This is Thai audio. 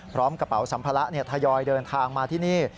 กระเป๋าสัมภาระทยอยเดินทางมาที่นี่